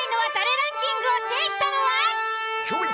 ランキングを制したのは？